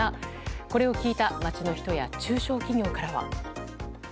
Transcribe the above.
これを聞いた街の人や中小企業からは。